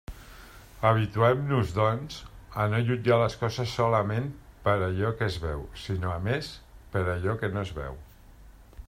Habituem-nos, doncs, a no jutjar les coses solament per allò que es veu, sinó, a més, per allò que no es veu.